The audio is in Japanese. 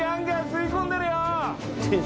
吸い込んでるよ。